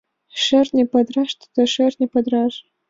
— Шӧртньӧ падыраш тудо, шӧртньӧ падыраш!